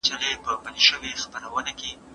مالیات د دولت لپاره اړین دي.